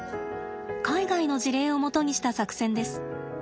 海外の事例を基にした作戦です。